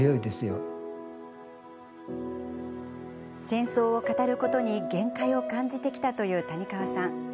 戦争を語ることに限界を感じてきたという谷川さん。